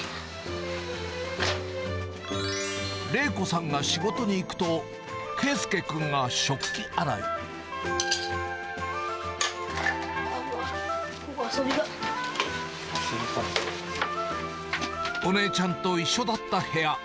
玲子さんが仕事に行くと、ここ、お姉ちゃんと一緒だった部屋。